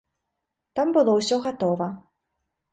Там было ўсё гатова.